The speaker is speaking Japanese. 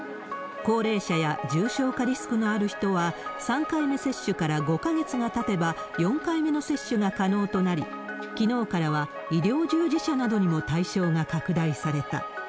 高齢者や重症化リスクのある人は、３回目接種から５か月がたてば、４回目の接種が可能となり、きのうからは医療従事者などにも対象が拡大された。